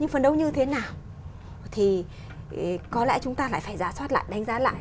phấn đấu như thế nào thì có lẽ chúng ta lại phải giả soát lại đánh giá lại